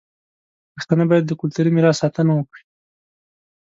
پښتانه باید د کلتوري میراث ساتنه وکړي.